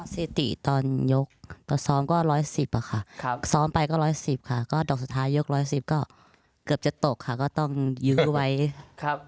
สถิติตอนยกตอนซ้อมก็๑๑๐ค่ะซ้อมไปก็๑๑๐ค่ะก็ดอกสุดท้ายก๑๑๐ก็เกือบจะตกค่ะก็ต้องยื้อไว้ออกหน้า